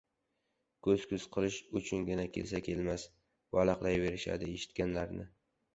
ko‘z-ko‘z qilish uchungina kelsa-kelmas valaqlayverishadi eshitganlarini.